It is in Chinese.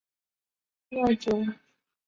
庙中的神像原是供奉于长和宫的后殿。